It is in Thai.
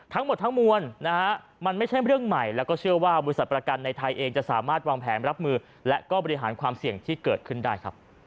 ทั้งหมดทั้งมวลนะฮะมันไม่ใช่เรื่องใหม่แล้วก็เชื่อว่าบริษัทประกันในไทยเองจะสามารถวางแผนรับมือและก็บริหารความเสี่ยงที่เกิดขึ้นได้ครับ